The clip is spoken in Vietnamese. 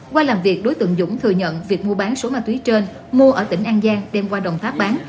qua làm việc đối tượng dũng thừa nhận việc mua bán số ma túy trên mua ở tỉnh an giang đem qua đồng tháp bán